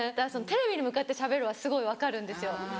テレビに向かってしゃべるはすごい分かるんですよ。